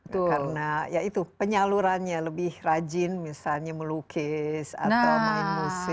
karena ya itu penyalurannya lebih rajin misalnya melukis atau main musik